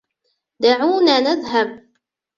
دعونا نذهب!